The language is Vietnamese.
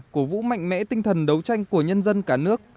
cổ vũ mạnh mẽ tinh thần đấu tranh của nhân dân cả nước